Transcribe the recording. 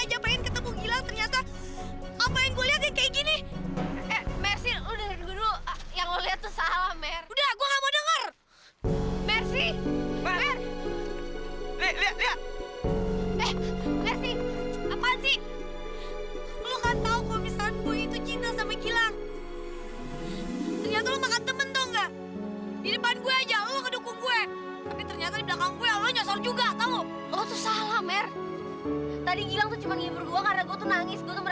sampai jumpa di video selanjutnya